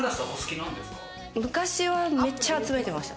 昔はめっちゃ集めてました。